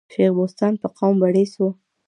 شېخ بُستان په قوم بړیڅ وو.